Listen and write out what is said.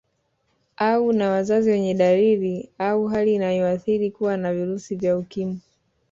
Au na wazazi wenye dalili au hali inayoashiria kuwa na virusi vya Ukimwi